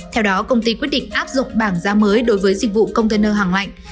theo đó công ty quyết định áp dụng bảng giá mới đối với dịch vụ container hàng lạnh